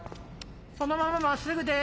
そのまままっすぐです！